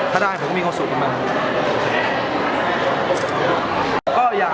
ถ้าได้ผมมีความสุขนะ